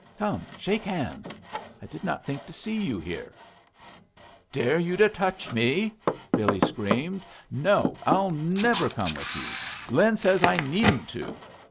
"Come, shake hands. I did not think to see you here." "Dare you to touch me!" Billy screamed. "No, I'll never come with you. Lin says I needn't to."